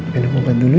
minum obat dulu ya